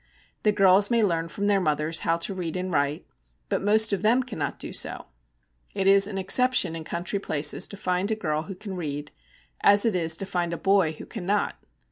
The girls may learn from their mothers how to read and write, but most of them cannot do so. It is an exception in country places to find a girl who can read, as it is to find a boy who cannot.